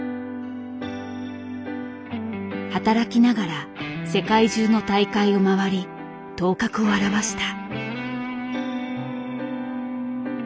働きながら世界中の大会を回り頭角を現した。